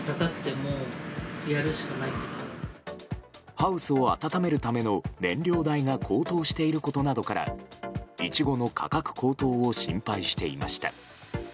ハウスを暖めるための燃料代が高騰していることなどからイチゴの価格高騰を心配していました。